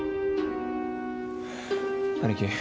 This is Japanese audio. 兄貴